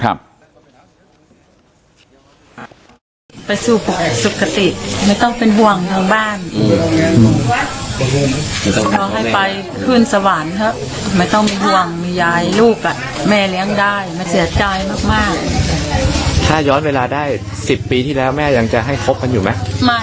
มีความรู้สึกแม่คิดอยากจะให้อภัยมั้ย